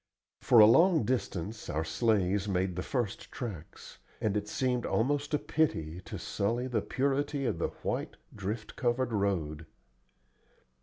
For a long distance our sleighs made the first tracks, and it seemed almost a pity to sully the purity of the white, drift covered road.